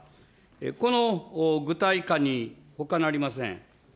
この具体化にほかなりません。